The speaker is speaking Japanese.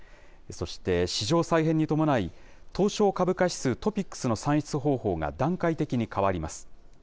そして、市場再編に伴い、東証株価指数・トピックスの算出方法が段階的に変わります。